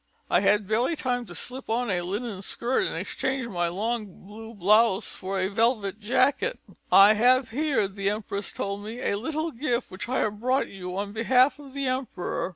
"I had barely time to slip on a linen skirt and exchange my long blue blouse for a velvet jacket. "'I have here,' the empress told me, 'a little gift which I have brought you on behalf of the Emperor.